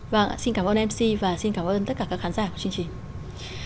vâng xin cảm ơn mc và xin cảm ơn tất cả các khán giả của chương trình